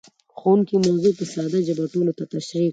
ښوونکی موضوع په ساده ژبه ټولو ته تشريح کړه.